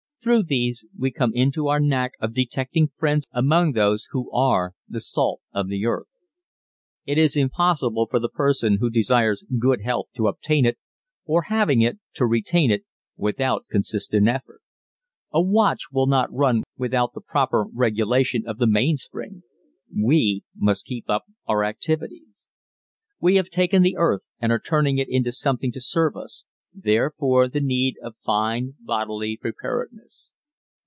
Through these we come into our knack of detecting friends among those who are the salt of the earth. It is impossible for the person who desires good health to obtain it, or having it, to retain it, without consistent effort. A watch will not run without the proper regulation of the mainspring. We must keep up our activities. We have taken the earth and are turning it into something to serve us therefore the need of fine bodily preparedness.